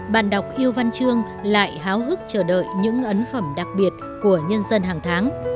bạn đọc yêu văn chương lại háo hức chờ đợi những ấn phẩm đặc biệt của nhân dân hàng tháng